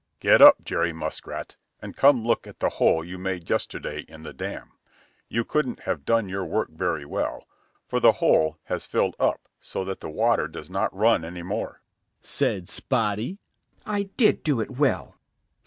"Get up, Jerry Muskrat, and come look at the hole you made yesterday in the dam. You couldn't have done your work very well, for the hole has filled up so that the water does not run any more," said Spotty. "I did do it well!"